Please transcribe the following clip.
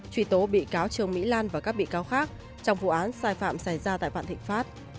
truy tố bị cáo trương mỹ lan và các bị cáo khác trong vụ án sai phạm xảy ra tại vạn thịnh pháp